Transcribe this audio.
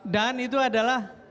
dan itu adalah